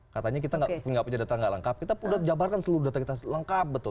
katanya kita punya data gak lengkap kita pun sudah jabarkan seluruh data kita lengkap betul